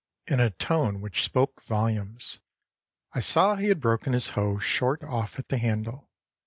in a tone which spoke volumes. I saw he had broken his hoe short off at the handle.